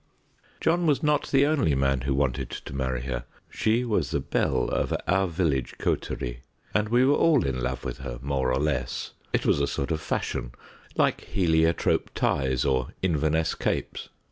John was not the only man who wanted to marry her: she was the belle of our village coterie, and we were all in love with her more or less; it was a sort of fashion, like heliotrope ties or Inverness capes.